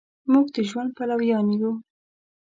مونږ د ژوند پلویان یو